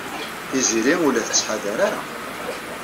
Tiziri ur la tettḥadar ara.